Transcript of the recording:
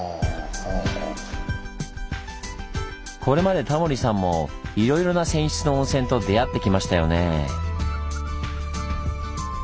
これまでタモリさんもいろいろな泉質の温泉と出会ってきましたよねぇ。